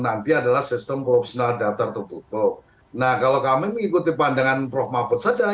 ini adalah sistem proporsional daftar tertutup nah kalau kamu ikuti pandangan prof maafut saja